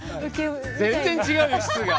全然違うよ質が。